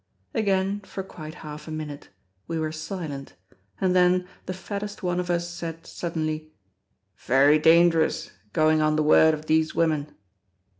Again, for quite half a minute; we were silent, and then, the fattest one of us said, suddenly: "Very dangerous—goin' on the word of these women."